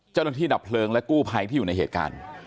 เจ้าหน้าที่หนับเพลิงและกู้ภัยที่อยู่ในเหตุการณ์